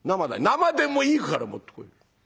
「生でもいいから持ってこい。